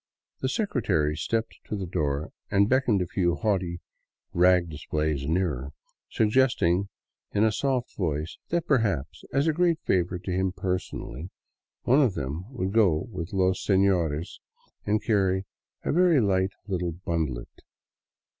The secretary stepped to the door and beckoned a few haughty rag displays nearer, suggesting in a soft voice that perhaps, as a great favor to him personally, one of them would go with los senores and carry a " very light little bundlet."